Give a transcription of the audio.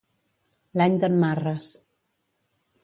L'any d'en Marres.